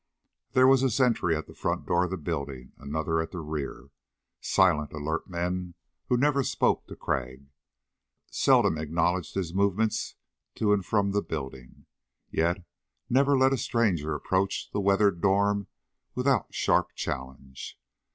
There was a sentry at the front of the building, another at the rear. Silent alert men who never spoke to Crag seldom acknowledged his movements to and from the building yet never let a stranger approach the weathered dorm without sharp challenge.